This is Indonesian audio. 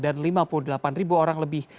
dan lima puluh delapan ribu orang lebih